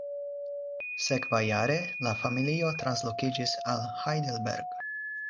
Sekvajare, la familio translokiĝis al Heidelberg.